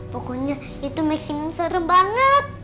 pokoknya itu maksimum serem banget